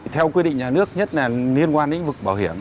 theo quy định nhà nước nhất là liên quan đến lĩnh vực bảo hiểm